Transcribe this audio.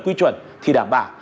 quy chuẩn thì đảm bảo